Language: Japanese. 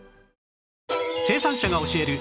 生産者が教える